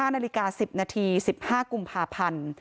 นาฬิกา๑๐นาที๑๕กุมภาพันธ์